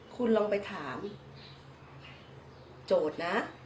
คุณลองไปถามโจทย์นะ